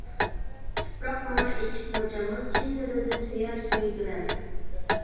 تۇپراق ماڭا ئېچىپ ھۆر جامال، چىن دىلىدىن سۆيەر، سۆيدۈرەر.